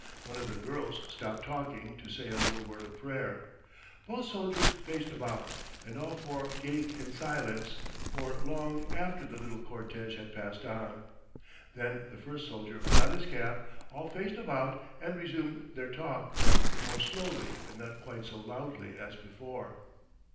One of the girls stopped talking to say a little word of prayer. Both soldiers faced about, and all four gazed in silence for long after the little cortège had passed on. Then the first soldier put on his cap, all faced about, and resumed their talk, but more slowly and not quite so loudly as before.